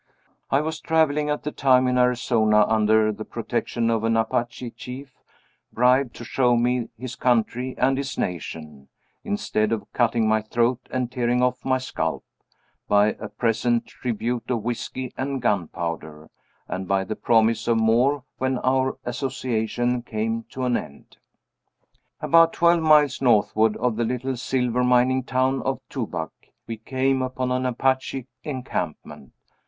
"I was traveling at the time in Arizona, under the protection of an Apache chief, bribed to show me his country and his nation (instead of cutting my throat and tearing off my scalp) by a present tribute of whisky and gunpowder, and by the promise of more when our association came to an end. "About twelve miles northward of the little silver mining town of Tubac we came upon an Apache encampment.